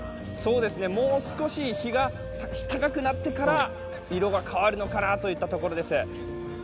もう少し日が高くなってから色が変わるのかなといったところです。